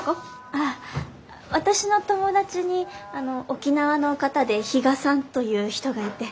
あっ私の友達に沖縄の方で比嘉さんという人がいて。